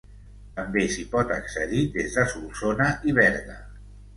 També s'hi pot accedir des de Solsona i Berga.